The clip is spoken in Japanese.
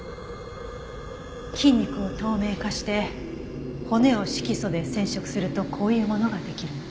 筋肉を透明化して骨を色素で染色するとこういうものができるの。